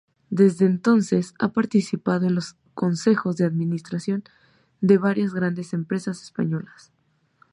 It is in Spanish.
Desde entonces ha participado en los consejos de administración de varias grandes empresas españolas.